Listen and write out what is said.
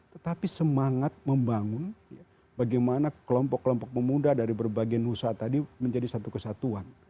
tetapi semangat membangun bagaimana kelompok kelompok pemuda dari berbagai nusa tadi menjadi satu kesatuan